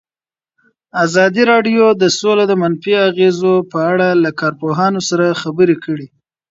ازادي راډیو د سوله د منفي اغېزو په اړه له کارپوهانو سره خبرې کړي.